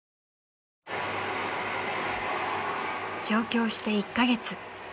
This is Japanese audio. ［上京して１カ月］